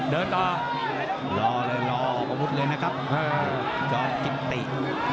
เดินต่อรอเลยรอประมวลเลยนะครับจอมกิตตี